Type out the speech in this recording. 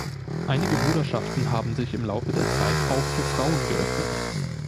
Einige Bruderschaften haben sich im Laufe der Zeit auch für Frauen geöffnet.